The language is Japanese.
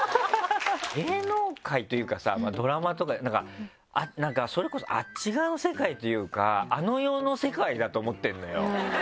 芸能界というかさドラマとかなんかそれこそあっち側の世界というかあの世の世界だと思ってるのよ。